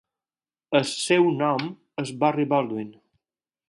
El seu nom és Barry Baldwin.